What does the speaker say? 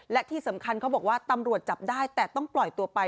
และที่สำคัญเขาบอกว่าตำรวจจับได้แต่ต้องปล่อยตัวไป